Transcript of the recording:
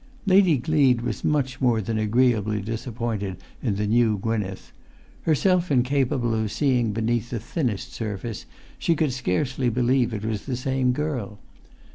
Lady Gleed was much more than agreeably disappointed in the new Gwynneth; herself incapable of seeing beneath the thinnest surface, she could scarcely believe it was the same girl.